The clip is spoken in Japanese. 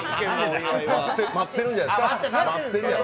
待ってるんじゃないですか。